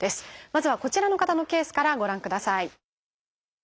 まずはこちらの方のケースからご覧ください。